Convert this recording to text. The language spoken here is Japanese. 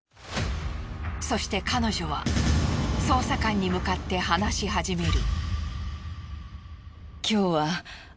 そして彼女は捜査官に向かって話し始める。